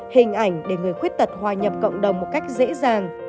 hình ảnh để người khuyết tật hòa nhập cộng đồng một cách dễ dàng